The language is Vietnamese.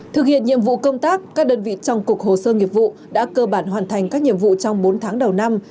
thực hiện nhiệm vụ công tác các đơn vị trong cục hồ sơ nghiệp vụ đã cơ bản hoàn thành các nhiệm vụ trong bốn tháng đầu năm